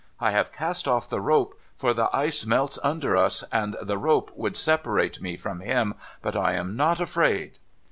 I have cast off the rope, for the ice melts under us, and the rope would separate me from him ; but I am not afraid.'